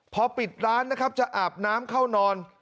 พอปิดร้านนะครับจะอาบน้ำเข้านอน